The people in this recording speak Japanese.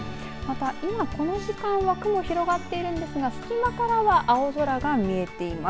今この時間は雲広がっているんですが隙間からは青空が見えています。